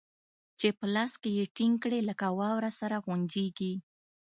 چې په لاس کښې يې ټينګ کړې لکه واوره سره غونجېږي.